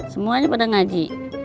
semuanya pada ngaji